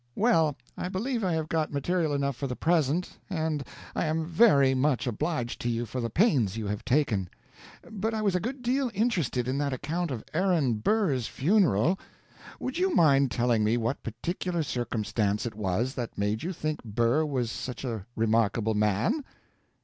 Well, I believe I have got material enough for the present, and I am very much obliged to you for the pains you have taken. But I was a good deal interested in that account of Aaron Burr's funeral. Would you mind telling me what particular circumstance it was that made you think Burr was such a remarkable man?